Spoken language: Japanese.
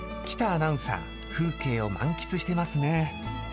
喜多アナウンサー、風景を満喫していますね。